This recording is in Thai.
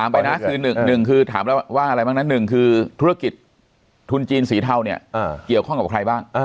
พี่ถามไปนะหนึ่งคือธุรกิจทุนจีนสีเทาเกี่ยวข้องกับใครบ้าง